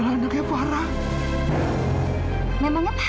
kamila putri kandung saya